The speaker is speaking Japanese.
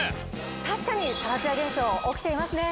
確かにサラツヤ現象起きていますね。